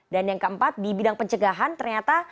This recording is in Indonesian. dan yang keempat di bidang pencegahan ternyata